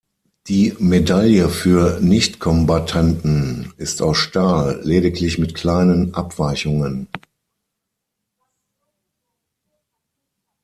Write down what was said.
Die Medaille für Nichtkombattanten ist aus Stahl, lediglich mit kleinen Abweichungen.